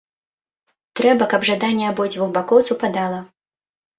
Трэба, каб жаданне абодвух бакоў супадала.